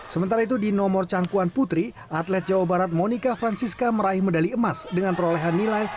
sementara itu di nomor changpuan putri atlet jawa barat monica francisca meraih medali emas dengan perolehan nilai sembilan lima puluh tiga